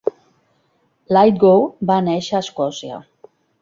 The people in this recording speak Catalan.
Lithgow va néixer a Escòcia.